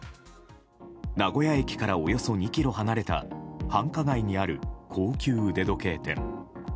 名古屋駅からおよそ２ｋｍ離れた繁華街にある高級腕時計店。